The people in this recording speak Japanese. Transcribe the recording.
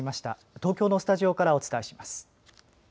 東京のスタジオからお伝えします。